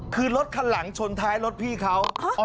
คือรถคันหลังชนท้ายรถพี่เขา